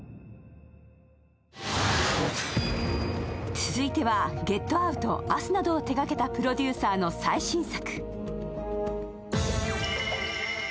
続いては「ゲット・アウト」、「アス」などを手がけたプロデューサーの最新作。